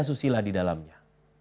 susilah di dalamnya